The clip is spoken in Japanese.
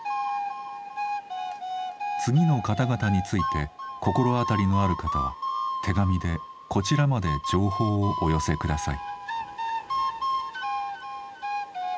次の方々について心当たりのある方は手紙でこちらまで情報をお寄せ下さい。